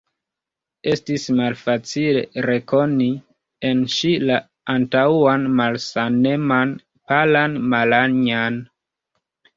Estis malfacile rekoni en ŝi la antaŭan malsaneman, palan Malanja'n.